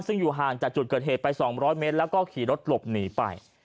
ซึ่งอยู่ห่างจากจุดเกิดเหตุไป๒๐๐เมตรแล้วก็ขี่รถหลบหนีไป